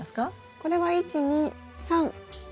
これは１２３。